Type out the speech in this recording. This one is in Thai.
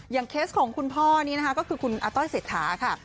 เคสของคุณพ่อนี้นะคะก็คือคุณอาต้อยเศรษฐาค่ะ